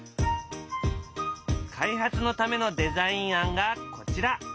開発のためのデザイン案がこちら。